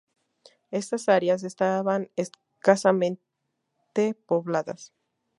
Estas áreas estaban escasamente pobladas.